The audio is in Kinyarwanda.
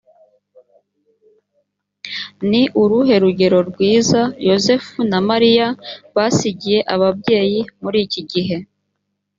ni uruhe rugero rwiza yozefu na mariya basigiye ababyeyi muri iki gihe